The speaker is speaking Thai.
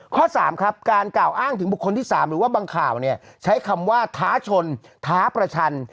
ข้อ๓ครับการกล่าวอ้างถึงบุคคลที่๓หรือว่าบางข่าวใช้คำว่าท้าชนท้าประชัน